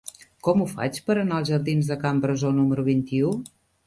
Com ho faig per anar als jardins de Can Brasó número vint-i-u?